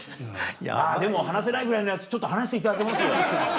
でも話せないぐらいのやつちょっと話していただけます？